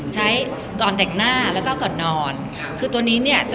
ใช้ก่อนแต่งหน้าและก่อนนอน